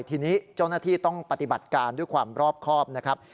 ทีนี้เจ้าหน้าที่ต้องปฏิบัติการด้วยความรอบครอบนะครับ